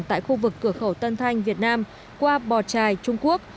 tại khu vực cửa khẩu tân thanh việt nam qua bò trài trung quốc